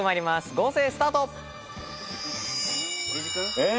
合成スタート！